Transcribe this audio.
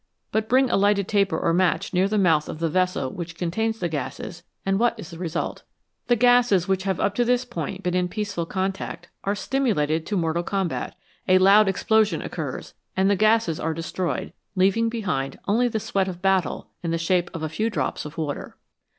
But bring a lighted taper or match near the mouth of the vessel which contains the gases, and what is the result ? The gases, which have up to this point been in peace ful contact, are stimulated to mortal combat, a loud explosion occurs, and the gases are destroyed, leaving behind only the sweat of battle in the shape of a few drops of water.